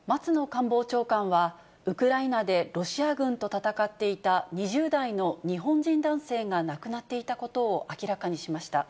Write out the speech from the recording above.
官房長官は、ウクライナでロシア軍と戦っていた、２０代の日本人男性が亡くなっていたことを明らかにしました。